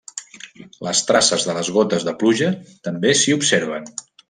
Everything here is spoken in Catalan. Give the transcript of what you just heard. Les traces de les gotes de pluja també s'hi observen.